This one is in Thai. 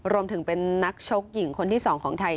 รวมถึงเป็นนักชกหญิงคนที่๒ของไทย